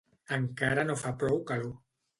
Encara no fa prou calor